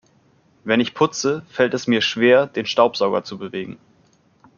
Wenn ich putze, fällt es mir schwer, den Staubsauger zu bewegen.